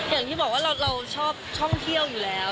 อย่างที่บอกว่าเราชอบท่องเที่ยวอยู่แล้ว